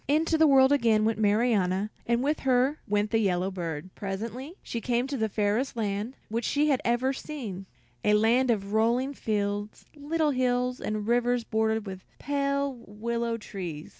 Into the world again went Marianna, and with her went the yellow bird. Presently she came to the fairest land which she had ever seen, a land of rolling fields, little hills, and rivers bordered with pale willow trees.